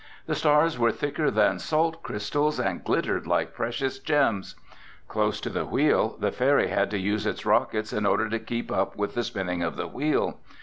The stars were thicker than salt crystals and glittered like precious gems. Close to the Wheel, the ferry had to use its rockets in order to keep up with the spinning of the Wheel.